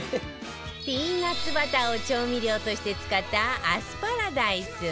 ピーナッツバターを調味料として使ったアスパラダイス